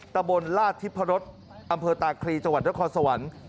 ตะบนราชทิพย์พระรถอำเภอตาครีจังหวัดและคอสวรรค์